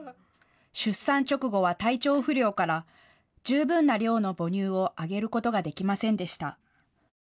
出産直後は体調不良から十分な量の母乳をあげることができませんでした。